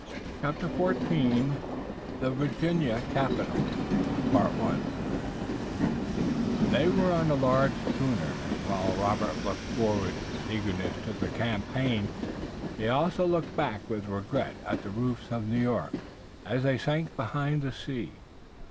CHAPTER XIV THE VIRGINIA CAPITAL They were on a large schooner, and while Robert looked forward with eagerness to the campaign, he also looked back with regret at the roofs of New York, as they sank behind the sea.